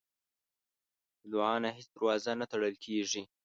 د دعا نه هیڅ دروازه نه تړل کېږي.